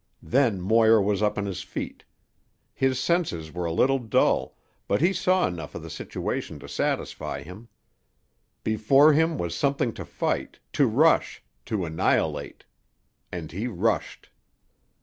Then Moir was up on his feet. His senses were a little dull, but he saw enough of the situation to satisfy him. Before him was something to fight, to rush, to annihilate. And he rushed.